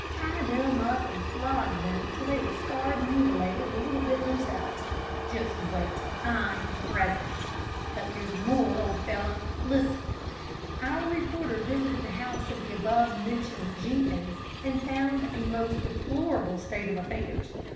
Tie them up and flog them till they were scarred and mutilated a little bit themselves. Just wait till I'm president. But there's some more, old fellow. Listen: 'Our reporter visited the house of the above mentioned Jenkins, and found a most deplorable state of affairs.